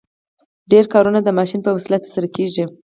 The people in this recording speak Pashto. ډېر کارونه د ماشین په وسیله ترسره کیږي.